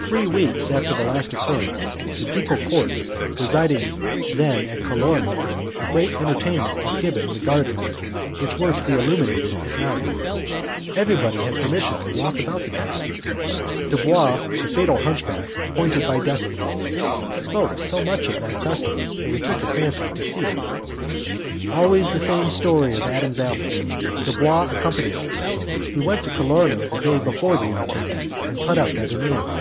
Three weeks after the last occurrence, the ducal court residing then at Colorno, a great entertainment was given in the gardens which were to be illuminated all night. Everybody had permission to walk about the gardens. Dubois, the fatal hunchback appointed by destiny, spoke so much of that festival, that we took a fancy to see it. Always the same story of Adam's apple. Dubois accompanied us. We went to Colorno the day before the entertainment, and put up at an inn.